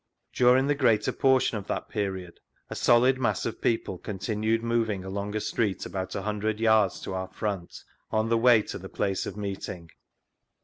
During the greater portion of that period a solid mass of people continued moving along a street about a hundred yards to our front on the way to the i^ace of meeting.